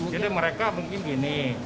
jadi mereka mungkin gini